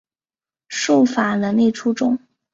术法能力出众。